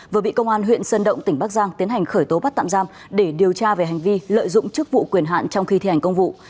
vừa bị công an huyện sơn động tỉnh bắc giang tiến hành khởi tố bắt tạm giam để điều tra về hành vi lợi dụng chức vụ quyền hạn trong khi thi hành công vụ